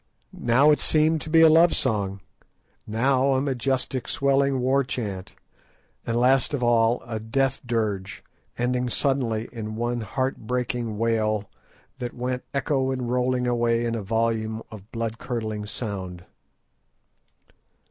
Now it seemed to be a love song, now a majestic swelling war chant, and last of all a death dirge ending suddenly in one heart breaking wail that went echoing and rolling away in a volume of blood curdling sound.